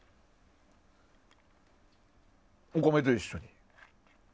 お米と一緒に。